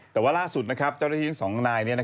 แล้วสุดเจ้าทืพื้นที่สองนาย